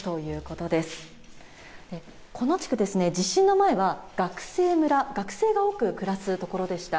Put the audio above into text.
この地区、地震の前は学生村、学生が多く暮らすところでした。